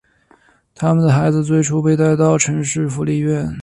他们的孩子最初被带到城市福利院。